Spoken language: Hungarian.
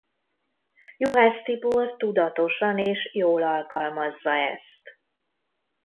Juhász Tibor tudatosan és jól alkalmazza ezt.